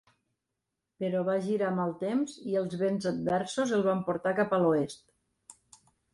Però va girar mal temps i els vents adversos el van portar cap a l'oest.